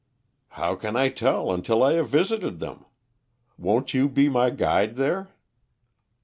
"How can I tell until I have visited them? Won't you be my guide there?"